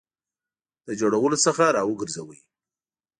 له جوړولو څخه را وګرځاوه.